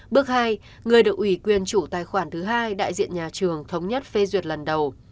bước hai người được ủy quyền chủ tài khoản thứ hai đại diện nhà trường thống nhất phê duyệt lần đầu